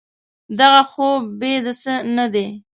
دغه خوب بې د څه نه دی.